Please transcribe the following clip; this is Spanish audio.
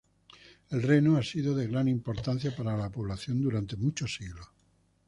El reno ha sido de gran importancia para la población durante muchos siglos.